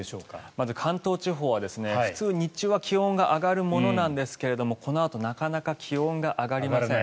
まず関東地方は普通、日中は気温が上がるものなんですがこのあとなかなか気温が上がりません。